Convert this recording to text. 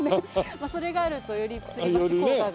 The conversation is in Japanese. まあそれがあるとよりつり橋効果が。